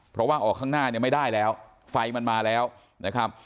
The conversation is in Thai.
เพราะว่าออกข้างหน้าเนี่ยไม่ได้แล้วไฟมันมาแล้วนะครับ